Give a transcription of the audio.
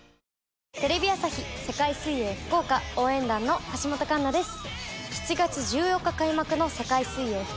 テレビ朝日世界水泳福岡応援団の橋本環奈です。